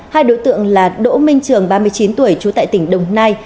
hai đối tượng là đỗ minh trường ba mươi chín tuổi trú tại tỉnh đồng nai